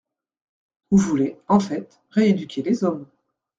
Vous voulez en fait rééduquer les hommes.